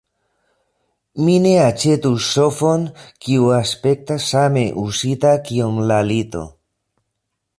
Mi ne aĉetus sofon kiu aspektas same uzita kiom la lito.